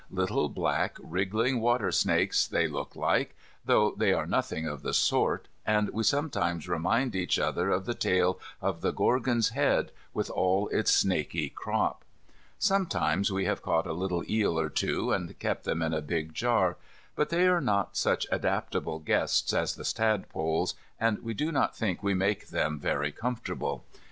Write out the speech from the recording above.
Little black wriggling water snakes they look like, though they are nothing of the sort, and we sometimes remind each other of the tale of the Gorgon's Head, with all its snaky crop. Sometimes we have caught a little eel or two, and kept them in a big jar; but they are not such adaptable guests as the tadpoles, and we do not think we make them very comfortable.